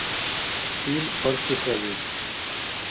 Ил бархьси саби.